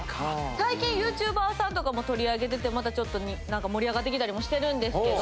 最近ＹｏｕＴｕｂｅｒさんとかも取り上げててまたちょっと盛り上がってきたりもしてるんですけど。